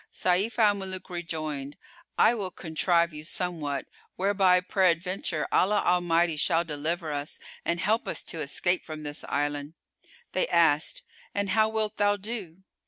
Sayf al Muluk rejoined, "I will contrive you somewhat, whereby peradventure Allah Almighty shall deliver us and help us to escape from this island." They asked, "And how wilt thou do?"